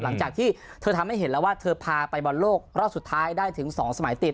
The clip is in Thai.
หลังจากที่เธอทำให้เห็นแล้วว่าเธอพาไปบอลโลกรอบสุดท้ายได้ถึง๒สมัยติด